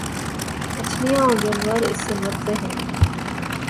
مچھلیاں اور جانور اس سے مرتے ہیں۔